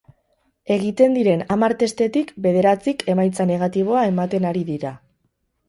Egiten diren hamar testetik bederatzik emaitza negatiboa ematen ari dira.